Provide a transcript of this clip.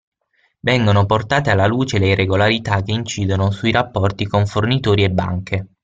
Vengono portate alla luce le irregolarità che incidono sui rapporti con fornitori e banche.